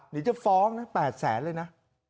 นี่จะฟ้องนะแปดแสนเลยนะ